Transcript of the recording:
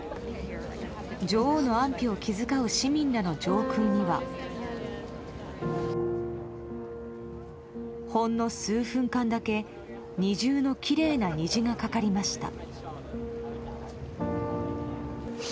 女王の安否を気遣う市民らの上空にはほんの数分間だけ二重のきれいな虹がかかりました。